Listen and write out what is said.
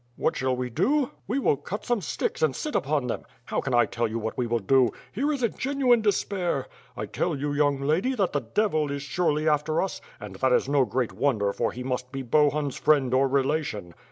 "What shall we do? We will cut some sticks and sit upon them. How can I tell what we will do? Here is a genuine despair! I tell you. Young Lady, that the devil is surely after us — and that is no great wonder, for he must be Bohun's friend or relation.